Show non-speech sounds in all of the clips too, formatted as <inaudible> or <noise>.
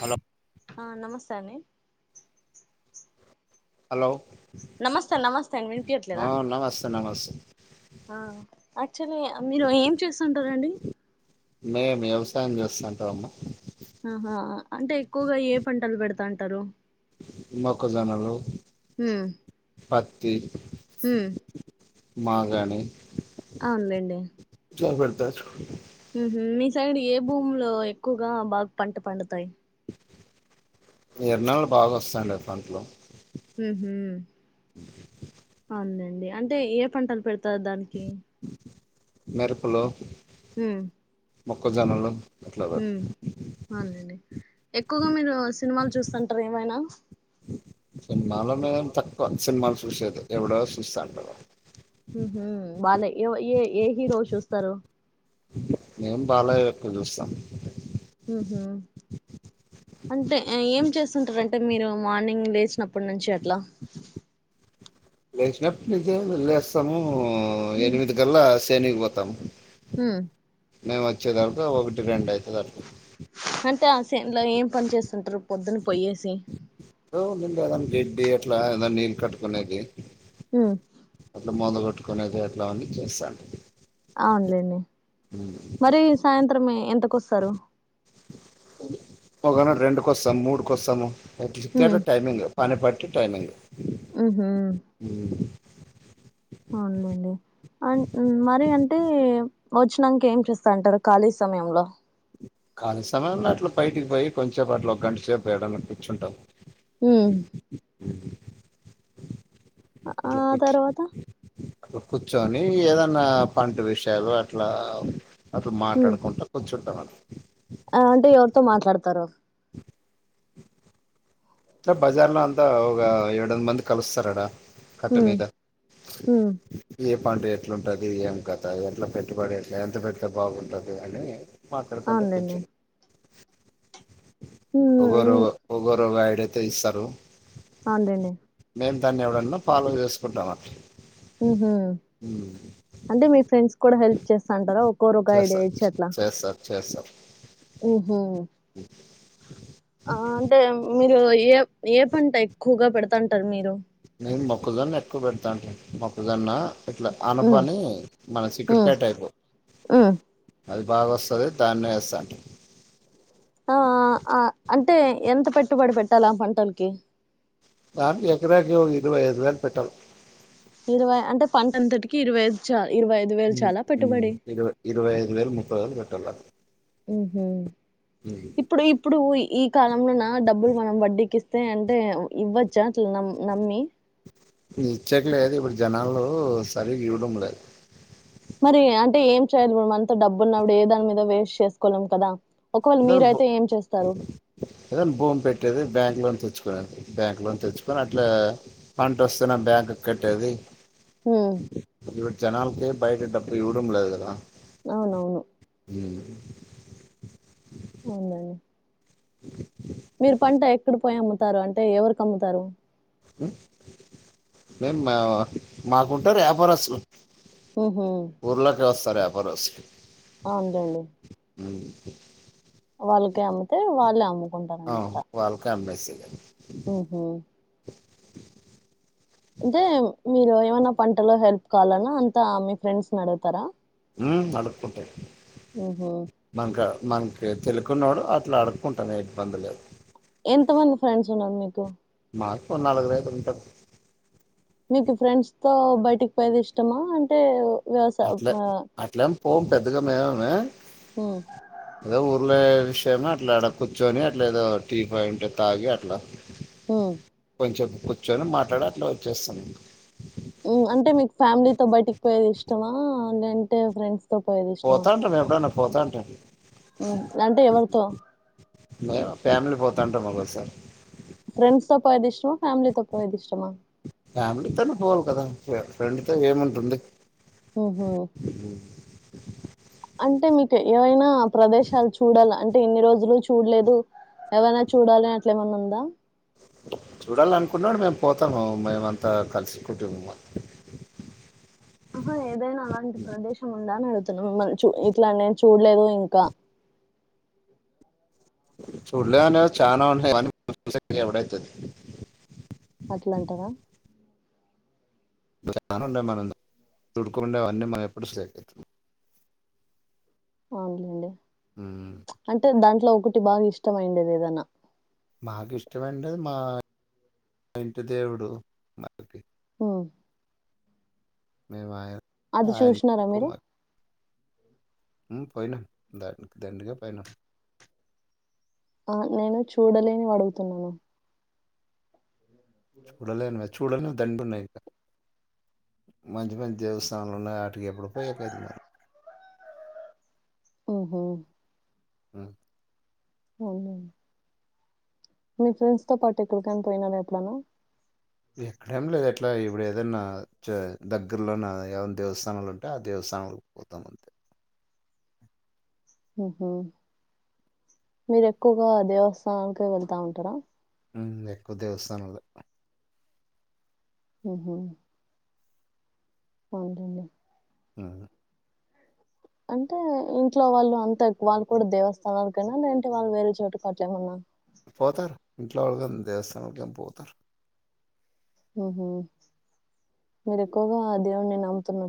Hello ఆ నమస్తే అండి హలో నమస్తే నమస్తే అండి ఆ వినిపించట్లేదా నమస్తే నమస్తే యాక్చువల్లీ మీరు ఏం చేస్తుంటారండి మేము వ్యవసాయం చేస్తుంటాము ఆహా అంటే ఎక్కువగా ఏ పంటలు పెడతాంటారు మొక్కజనాలు హ్మ్మ్ హ్మ్మ్ మాగాణి అవి పెడతారు హుమ్ హు మీ సైడ్ ఏ భూమి లో ఎక్కువగా బాగా పంట పండుతాయి ఎరనాళ్లు బాగా వస్తాండా అ దంట్లో ఉహు అవునులేండి అంటే ఏ పంటలు పెడత త దానికి మేరకులు హ్మ్మ్ మోకాజోనాలు హ్మ్మ్ మళ్ళీ నే ఎక్కువగా మీరు సినిమాలు చూస్తుంటారు ఏమైనా కొన్ని మాలో మేము తక్కువ సినిమాలు చూసేది ఏబాడో చూస్తాటం హ్మ్మ్ వాళ్ళ ఏ ఏ ఏ హీరో చూస్తారు మేం బాలయ్యవి ఎక్కువ చూస్తాం హ్మ్మ్ అంటే ఏం చేస్తుంటార అంటే మీరు మార్నింగ్ లేచినప్పటి నుంచి లా లేసానుపాటి నుంచి ఏమి లేసము హుమ్ ఎనిమిది గలా తెనికిపోతాం హ్మ్మ్ మేము వచ్చే దాకా ఒకటి రెండు అయితాది అట్లా అంటే ఆసేన్లో ఏం పని చేస్తుంటారు పొద్దున్న పొయ్యేసి ఏదో ఉంటుంది ఏదనా గిడ్డి అట్లా ఏద నీళ్లు కట్టుకునేది హ్మ్మ్ మందుగొట్టుకునేది అట్లా అన్నీ చేస్తాం అవునులేండి మరి సాయంత్ర మాత్రమే ఎంతకొస్తారు ఒకనాడు రెండుక వస్తాము మూడుక వస్తాము ట్ టైమింగ్ పని పడి టైమింగ్ హ్మ్మ్ హు అవునండి అ మరి అంటే వచ్చినాక ఏం చేస్తా అంటారు ఖాళీ సమయంలో కాలీ సమయం అట్లా బైటికి పోయి కొంచేపు అట్లా ఒక గంట సేపు ఏడన్న కూర్చుటము హ్మ్ ఆ అట్ల కు తర్వాత కూర్చొని ఏదన్నా పంట విషయాలు అట్లా అట్లు ఉమ్ మాట్లాడుకుంటా కూర్చుంటాం అ ఆ అంటే ఎవరితో మాట్లాడతారు అ బజార్ లో అంతా ఒక ఏడ వంద మంది కలుస్తారడా కఖట్ట ఉమ్ మీద ఉమ్ ఏ పండు ఎట్లంటది ఏం కద ఎట్లా పెట్టుబడి ఎట్లా ఎంత పెతే బాగుంటది అని మాట్డుకంట కొచ్చ అవునులేండి ఉమ్ ఒగోరు ఉమ్ ఒగరుగా ఎడైతే ఇస్తారు ఆదనే మేము దాన్ని ఎవడన్నా ఫాలో చేసుకుంటాం అ హ అంటే మీ ఫ్రెండ్స్ కూడా హెల్ప్ చేస్తా అంటారా ఒకరు ఒక ఐడ్యచ్చు అట్లా చేస్తం ఓహో ఆ అంటే మీరు ఏ ఏ పంట ఎక్కువగా పెడతాంటారు మీరు న మొక్కజొన్న ఎక్కువ పెడతా అంట మొక్కజొన్న ఇట్లా, మ్మ్ ఆనపని మన మ్మ్ చీకట్పెట్ అయిపోయింది. మ్మ్ అది బాగా వస్తాది. దాన్నే వేస్తానంటున్నారు. ఆ అ అంటే, ఎంత పెట్టుబడి పెట్టాలా ఆ పంటలకి. బాబ్, ఎకరాకి హోగి. ఇదిగొ వయదువేల్ పెట్టాలి. ఇరవై అంటే, పంటంతటికి ఇరవై ఐదు చల్. మ్, మ్ ఇరువై, ఇరువై ఐదు వేలు, ముప్పై వేలు పెట్టలా అంతే. మ్మ్హు. ఇప్పుడు, ఇప్పుడుయి. కాలంలోనా డబ్బులు, మనం వడ్డీకిస్తాం. తే అంటే, ఇవ్వొచ్చా అట్ల నమ్ నమ్మి? ఇగ ఇచ్చేకి లేదు. ఇప్పుడు జనాలు సరిగ్గా ఇవ్వడం లేదు. మరి అంటే, ఏం చేయాలి ఇప్పుడు? మన తో డబ్బు ఉన్నప్పుడు, ఏ దాని మీద వేస్ట్ చేసుకోలేం కదా? ఒకవేళ ఏదైనా మీరైతే బోమ్, ఏం చేస్తారు ఏదైనా బోమ్ పెట్టేది, బ్యాంక్ లోన్ తెచ్చుకు బ్యాంక్ లోన్ తెచ్చుకొని, అట్లే పంట వస్తే నా బ్యాంక్ కట్టేది. మ్మ్. ఇప్పుడు జనాలకి బయట, డబ్బులు ఇవ్వడం లేదు కదా? అవునవును. ఉమ్. అవునులేండి <unintelligible> మీరు, పంట ఐప్ ఎప్పుడు పోయి అమ్ముతారు అంటే, ఎవరికి అమ్ముతారు? ఉమ్, మేమ్ మాకుంటారు యపారస్తులు. ఓహో.. తార్ యపారస్తులు. అవును లేండి. వాళ్లక్ అమ్మితే, వాళ్లు అమ్ము. ఆ, వాళ్లకే అమ్మేసేయి. <unintelligible> <inaudible> ఉహు. అంటే మీరు ఏమన్న పంటలో హెల్ప్ కావాలన్న, అంతా మీ ఫ్రెండ్స్ ను అడుగుతారా? ఉమ్, అడుక్కుంటది ఊహూ మాన్కాడా, మంక్. ఏద్ తెలియకున్నోడు, అట్లా అడుక్కుంటనే ఇబ్బంది లేదు. ఎంత మంది ఫ్రెండ్స్ ఉన్నారు మీకు? మాక్, ఓ నాలుగురైదుగురు ఉంటరు. మీకు ఫ్రెండ్స్ తో బయటిక్ పోయేది, ఇష్టమా అంటే? వ్యవసా అట్లే ఉప్మా. అట్లేం పోం, పెద్దగా మేమేమీ. ఉ ఊల్లో విషయమే అట్లాడ కూర్చొని అట్లె ఏదో టీ పయింటే తాగి అట్లా. ఉ చెప్ కూర్చొని మాట్లాడి అట్లా వచ్చేస్తాం. ష్టమా? నేంటే ఫ్రెండ్స్ పోతాంట, నే ఎప్పుడన్నా పోతాంట ఉ అంటే ఎవరితో? మేము ఫ్యామిలి పోతాంటాము ఒకోసారి. ఫ్రెండ్స్ తో పోయేది ఇష్టమా? ఫ్యామిలితో పోయేది ఇష్టమా? ఫ్యామిలీతోనే పోవాలి కదా! ఎ ఫ్రెండ్ తో ఏముంటుంది? ఉహు అంటే మీకు ఏవైనా? ప్రదేశాలు చూడాల అంట్ ఇన్ని రోజులు చూడలేదు ఏవైనా చూడాలి అని అట్లేమన్నా ఉందా? చూడాలనుకున్నాడు మేము పోతాము మేమంతా కలిసి కుటుంబం అంతా. ఆహా ఏదైనా అలాంటి ప్రదేశం ఉందా అని అడుగుత్? తన్ను మంచూ ఇట్లా నేన్ చూడలేదు ఇంకా, చూడ్లేనివి చానా ఉన్నాయి చూడానికి యాడఅయితాయి. అట్ల అంటారా? మన కాడ ఉండేవి మన తోడు ఉండేవి అన్నీ ఎప్పుడు స్ట్రెయిటె. <unintelligible> అవున్లేండి అంటే దాంట్లో ఒకటి బాగా ఇష్టం అయిఉండేది ఏదన్నా? మాకు ఇష్టము అయిఉండేది మా ఇంటి దేవుడు మాకి ఉ మ వయ <unintelligible> అది చూసినారా మీరు? పోయినాం ద దాండిగా పోయినాం. ఆ నేను చూడలేనివి అడుగుతున్నాను. చూడలేనివాయిత్ చూడని దండి ఉన్నాయి ఇంకా, మంచి మంచి దేవస్థానాలు ఉన్నాయి ఆటకి ఎప్పుడు పోయాకయితుంది మరి హు! హూ! హ్మ్! అవును. మీ ఫ్రెండ్స్ తో పాటు ఎక్కడకయిన పోయిన ఎప్పుడను ఎక్కడేం లేదు. ఎట్లా ఇప్పుడు ఏదన్నా జై దగ్గరలోన్న ఏమైనా దేవస్థానాలు ఉంటే ఆ దేవస్థానాలకు పోతాము అంతే. మ్ హూ మీరు ఎక్కువగా దేవస్థానకే వెళ్తా ఉంటారా? ఉమ్, ఎక్కువ దేవస్థానాలే ఉ హూ అవునండి ఊహు అంటే ఇంట్లో వాళ్ళు అంతా ఎక్కువ వాళ్ళు కూడా దేవస్థానాలకేన లేదంటి వాళ్ళు వేరే చోటుకి అట్లే ఏమన్నా పోతారు ఇంట్లో వాళ్ళుగాని దేవస్థానలకు గాని పోతారు ఉహు మీరు ఎక్కువగా ఆ దేవుణ్ణి నమ్ముతున్నా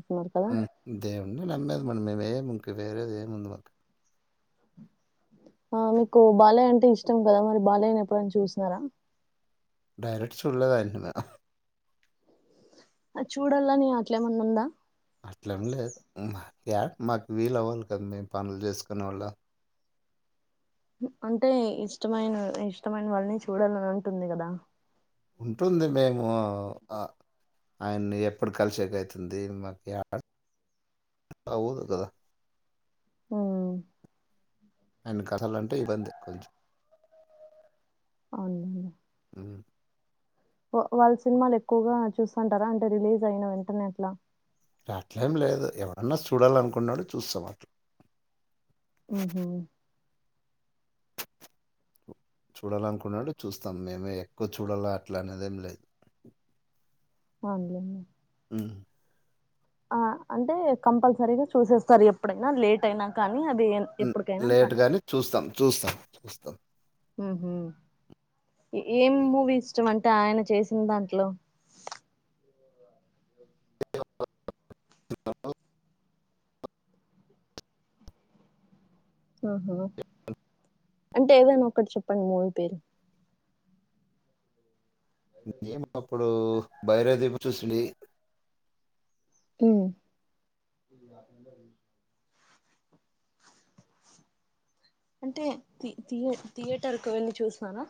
ఉ దే ఉరకనే నమ్మది మనము మేం మేది ఏం ముందుము ఆ మీకు బాలయ్య అంటే ఇష్టం కదా మరి బాలయ్యని ఎప్పుడైనా చూసినారా డైరెట్ చులేదండి <unintelligible> ఆ చూడల్లని అట్ల ఏమన్న ఉంద అట్లేం లేదు మా మాక్యాడ మాకి వీలు అవ్వాలి కదా మెం పండ్లు చేసుకునేళ్ళు అంటే ఇష్టమైన ఇష్టమైన వాళ్ళని చూడాలని ఉంటుంది కదా ఉంటుంది మేము ఒ ఆ ఆయన్ని ఎప్పుడు కలిసేకి అయితుంది మాకు యాడ అవుదు కదా ఆ ఆయన కదలంటే ఇబ్బందె కొంచెం అవునులేండి ఉమ్. ఆ వాళ్ళ సినిమాలు ఎక్కువగా చూస్తుంటారా అంటే రిలీజ్ అయిన వెంటనే అట్లా అట్లేం లేదు ఎవడన్నా చూడాలనుకున్నాడు చూస్తాం అట్ హుహు. చూడాలనుకున్నాడు చూస్తాం మేమె ఎక్కువ చూడాల అట్ల అనేదేం లేదు అవును లేండి అ ఆ అంటే కంపల్సరిగా చూసేస్తారు ఎప్పుడైనా లేట్ అయినా కానీ అది ఎన్- ఎప్పటికైనా లేట్ కానీ. గాని చూస్తాం చూస్తాం చూస్ ట్ల ఉహు ఏం మూవీ ఇష్టం అంటే ఆయన చేసిన దాంట్లో <inaudible> ఆహా అంటే ఏదైనా ఒక్కటి చెప్పండి మూవీ పేరు ఏమొ అప్పుడు బైరవ దీపు చూసింది ఉ అంటే థి థియేటర్కి వెళ్ళి చూసినార